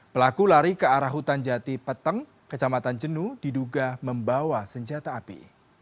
pelaku lari ke arah hutan jati peteng kecamatan jenuh diduga membawa senjata api